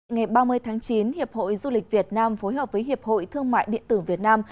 ngày ba mươi tháng chín hiệp hội du lịch việt nam phối hợp với hiệp hội thương mại điện tử việt nam